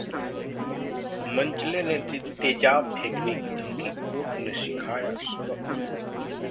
मनचले ने दी तेजाब फेंकने की धमकी, कोर्ट ने सिखाया सबक